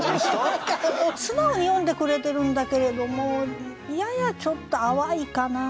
素直に詠んでくれてるんだけれどもややちょっと淡いかな。